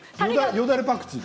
よだれパクチー。